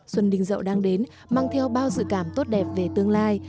xuân đình dậu đang đến mang theo bao dự cảm tốt đẹp về tương lai